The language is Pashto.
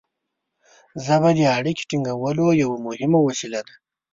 ژبه د اړیکې ټینګولو یوه مهمه وسیله ده.